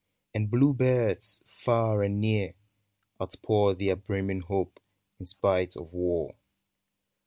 And bluebirds, far and near, outpour Their brimming hope, in spite of war.